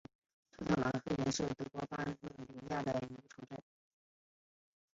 施塔特劳林根是德国巴伐利亚州的一个市镇。